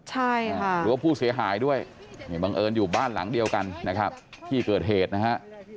ใช่ค่ะบังเอิญอยู่บ้านหลังเดียวกันที่เกิดเหตุนะฮะ